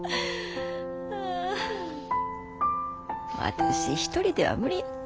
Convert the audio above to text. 私一人では無理やった。